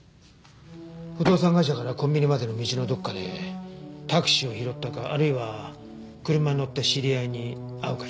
不動産会社からコンビニまでの道のどこかでタクシーを拾ったかあるいは車に乗った知り合いに会うかした。